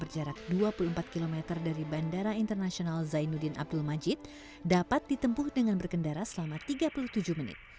perjalanan menuju ke desa wisata hijau bilebante yang berjarak dua puluh empat km dari bandara internasional zainuddin abdul majid dapat ditempuh dengan berkendara selama tiga puluh tujuh menit